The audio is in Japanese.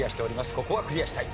ここはクリアしたい。